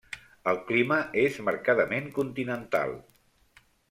El clima és marcadament continental.